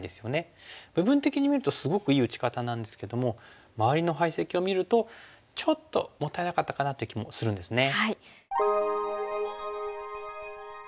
部分的に見るとすごくいい打ち方なんですけども周りの配石を見るとちょっともったいなかったかなという気もするんですね。